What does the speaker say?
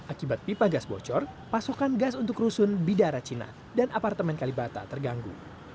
akibat pipa gas bocor pasokan gas untuk rusun bidara cina dan apartemen kalibata terganggu